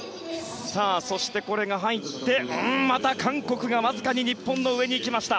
これが入って、また韓国がわずかに日本の上に行きました。